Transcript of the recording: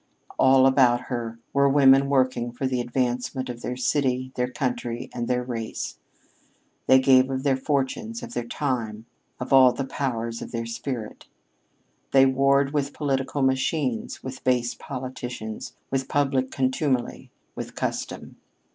All about her were women working for the advancement of their city, their country, and their race. They gave of their fortunes, of their time, of all the powers of their spirit. They warred with political machines, with base politicians, with public contumely, with custom.